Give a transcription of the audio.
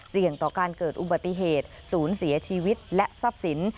ต่อการเกิดอุบัติเหตุศูนย์เสียชีวิตและทรัพย์สิน